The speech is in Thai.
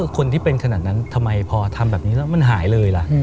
คนที่เป็นขนาดนั้นทำไมพอทำแบบนี้แล้วมันหายเลยล่ะ